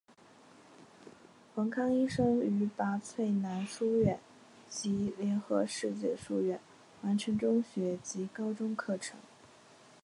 冯康医生于拔萃男书院及联合世界书院完成中学及高中课程。